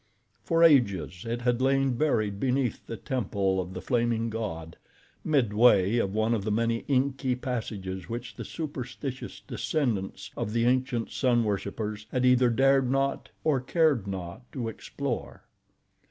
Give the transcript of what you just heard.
For ages it had lain buried beneath the temple of the Flaming God, midway of one of the many inky passages which the superstitious descendants of the ancient Sun Worshipers had either dared not or cared not to explore.